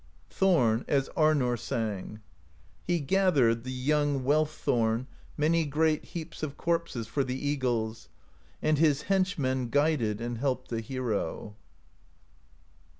Thorn, as Arnorr sang: He gathered, the young Wealth Thorn, Many great heaps of corpses For the eagles, and his henchmen Guided and helped the hero.